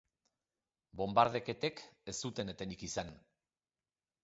Bonbardaketek ez zuten etenik izan.